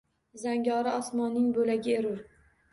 Zangori osmonning bo‘lagi erur!